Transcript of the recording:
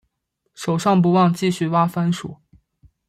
手上不忘继续挖番薯